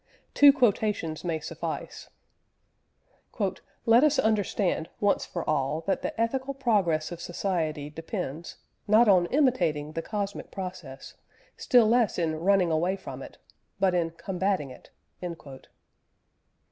Two quotations may suffice: "Let us understand, once for all, that the ethical progress of society depends, not on imitating the cosmic process, still less in running away from it, but in combating it."